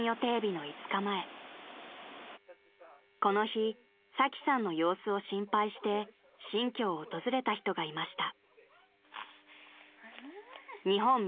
［この日サキさんの様子を心配して新居を訪れた人がいました］